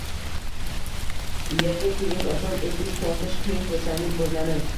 Erga tegish oson, etik tortish qiyin, desangiz bo`lgani